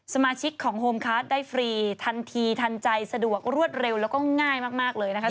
สมาชิกของโฮมคาร์ดได้ฟรีทันทีทันใจสะดวกรวดเร็วแล้วก็ง่ายมากเลยนะคะ